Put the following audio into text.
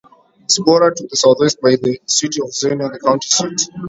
It is bordered to the southwest by the city of Xenia, the county seat.